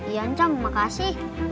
iya ncang makasih